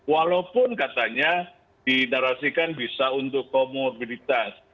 walaupun katanya dinarasikan bisa untuk komorbiditas